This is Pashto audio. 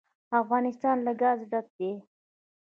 افغانستان له ګاز ډک دی.